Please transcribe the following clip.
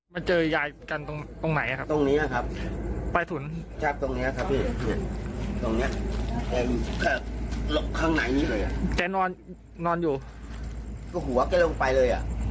พยายามกับน้องแฟนด้วยกับคุณหมูหมาย